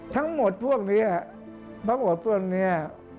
ทั้งหมดพวกนี้